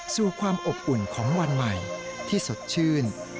ความอบอุ่นของวันใหม่ที่สดชื่น